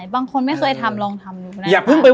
บางคนไม่เคยทำลองทำดูนะ